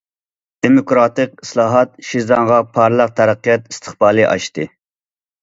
دېموكراتىك ئىسلاھات شىزاڭغا پارلاق تەرەققىيات ئىستىقبالى ئاچتى.